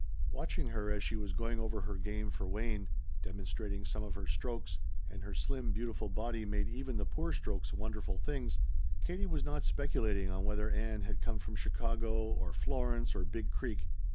Watching her as she was going over her game for Wayne, demonstrating some of her strokes, and her slim, beautiful body made even the poor strokes wonderful things, Katie was not speculating on whether Ann had come from Chicago, or Florence, or Big Creek.